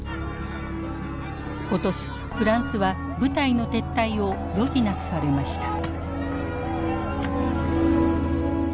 今年フランスは部隊の撤退を余儀なくされました。